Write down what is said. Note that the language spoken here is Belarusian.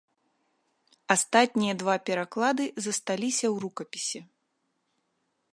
Астатнія два пераклады засталіся ў рукапісе.